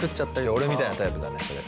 俺みたいなタイプだねそれ。